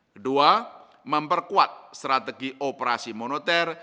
kedua memperkuat strategi operasi moneter